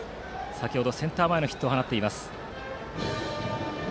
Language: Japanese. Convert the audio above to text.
先程はセンター前ヒットを放っています。